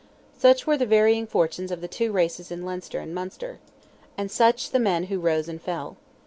Such were the varying fortunes of the two races in Leinster and Munster, and such the men who rose and fell.